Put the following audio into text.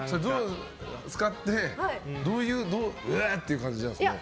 使って、どういうウエーっていう感じなんですか？